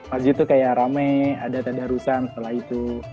mas itu kayak rame ada tanda arusan setelah itu